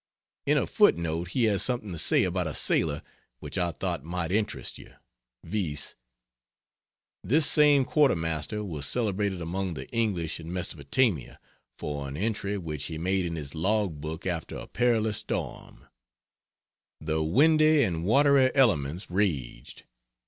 In a footnote he has something to say about a sailor which I thought might interest you viz: "This same quartermaster was celebrated among the English in Mesopotamia for an entry which he made in his log book after a perilous storm; 'The windy and watery elements raged.